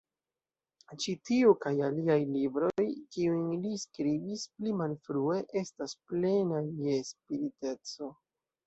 Ĉi tiu kaj aliaj libroj, kiujn li skribis pli malfrue, estas plenaj je spiriteco.